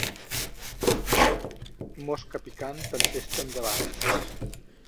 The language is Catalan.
Mosca picant, tempestat endavant.